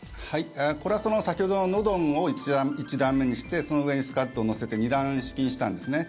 これは先ほどのノドンを１段目にしてその上にスカッドを載せて２段式にしたんですね。